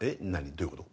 どういうこと？